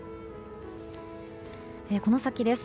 この先です。